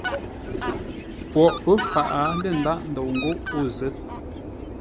Poghʼ pə̌ fǎʼ lə́ ndághʼ ndou ńgó o zə̂t.